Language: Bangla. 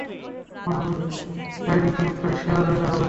মনে হয় রাইডিং ক্লাবটাই সেরা জায়গা হবে।